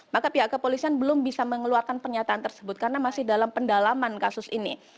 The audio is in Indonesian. maka pihak kepolisian belum bisa mengeluarkan pernyataan tersebut karena masih dalam pendalaman kasus ini